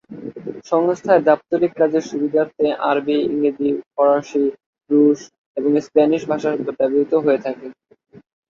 সংস্থায় দাপ্তরিক কাজের সুবিধার্থে আরবী, ইংরেজি, ফরাসি, রুশ এবং স্প্যানিশ ভাষা ব্যবহৃত হয়ে থাকে।